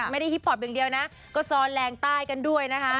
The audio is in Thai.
ไม่ได้ฮิปพอปอย่างเดียวนะก็ซอนแหลงใต้กันด้วยนะคะ